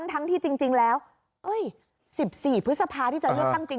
ทั้งที่จริงแล้วเอ้ยสิบสี่พฤษภาที่จะเลือกตั้งจริง